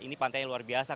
ini pantai yang luar biasa